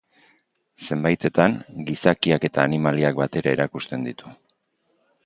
Zenbaitetan, gizakiak eta animaliak batera erakusten ditu.